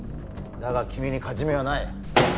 だが君に勝ち目はない。